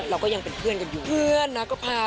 เราก็ยังเป็นเพื่อนกันอยู่เพื่อนนะก็พา